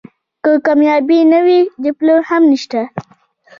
که کامیابي نه وي ډیپلوم هم نشته .